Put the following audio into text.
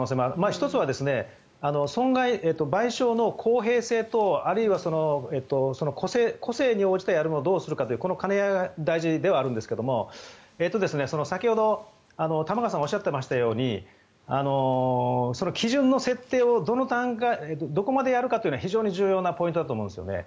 １つは賠償の公平性とあるいは、個性に応じたものをどうするのかという兼ね合いが大事ではあるんですが先ほど、玉川さんがおっしゃっていたように基準の設定をどこまでやるかというのは非常に重要なポイントだと思うんですよね。